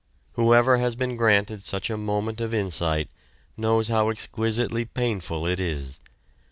Whoever has been granted such a moment of insight knows how exquisitely painful it is.